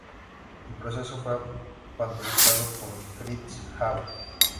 El proceso fue patentado por Fritz Haber.